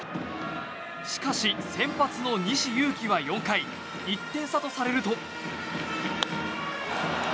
しかし、先発の西勇輝は４回１点差とされると。